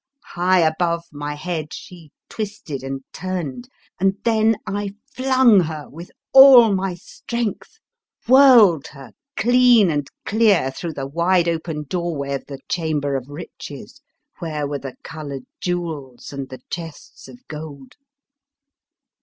High above my head she twisted and turned, and then I flung her with all my strength, whirled her 8s The Fearsome Island clean and clear through the wide open doorway of the Chamber of Riches, where were the coloured jewels and the chests of gold.